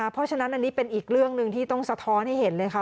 เพราะฉะนั้นอันนี้เป็นอีกเรื่องหนึ่งที่ต้องสะท้อนให้เห็นเลยค่ะ